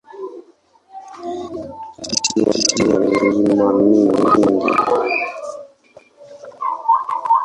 Kisiwa kina milima mingi.